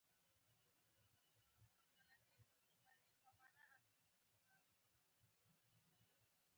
ګاز سوځېدونکی دی.